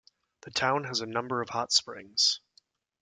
The town has a number of hot springs.